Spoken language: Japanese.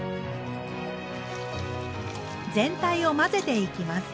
全体を混ぜていきます。